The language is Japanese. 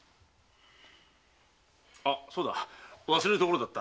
そうだ忘れるところだった。